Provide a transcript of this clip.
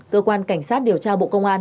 cơ quan cảnh sát điều tra bộ công an